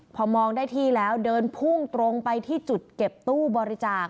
พอมองได้ที่แล้วเดินพุ่งตรงไปที่จุดเก็บตู้บริจาค